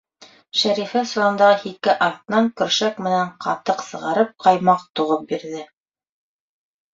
Шәрифә соландағы һике аҫтынан көршәк менән ҡатыҡ сығарып, ҡаймаҡ туғып бирҙе.